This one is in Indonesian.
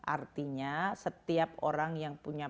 artinya setiap orang yang punya